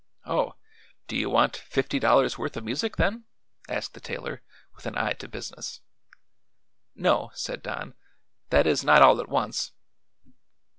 "Oh. Do you want fifty dollars' worth of music, then?" asked the tailor, with an eye to business. "No," said Don; "that is, not all at once.